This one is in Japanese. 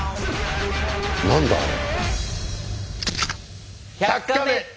何だあれ？